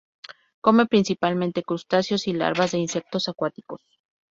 Come principalmente crustáceos y larvas de insectos acuáticos.